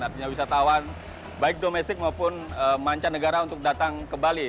artinya wisatawan baik domestik maupun mancanegara untuk datang ke bali